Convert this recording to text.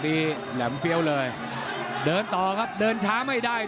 เดินต่อครับเดินช้าไม่ได้ด้วย